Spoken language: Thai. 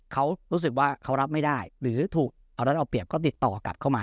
เขารู้สึกว่าเขารับไม่ได้หรือถูกเอารัดเอาเปรียบก็ติดต่อกลับเข้ามา